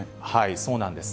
そうなんです。